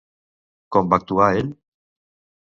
Com va actuar ell?